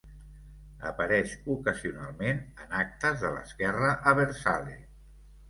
Apareix ocasionalment en actes de l'esquerra abertzale.